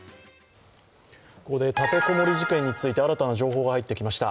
ここで立て籠もり事件について新たな情報が入ってきました。